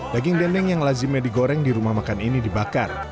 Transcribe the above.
daging dendeng yang lazimnya digoreng di rumah makan ini dibakar